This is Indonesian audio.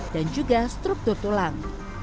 dan juga struktur tulang